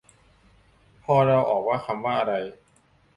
พอเดาออกว่าคำว่าอะไร